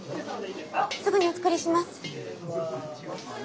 すぐにお作りします。